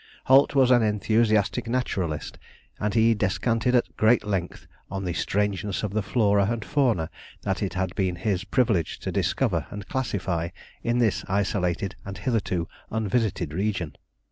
Holt was an enthusiastic naturalist, and he descanted at great length on the strangeness of the flora and fauna that it had been his privilege to discover and classify in this isolated and hitherto unvisited region.